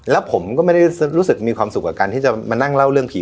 แล้วผมก็ไม่ได้รู้สึกมีความสุขกับการที่จะมานั่งเล่าเรื่องผี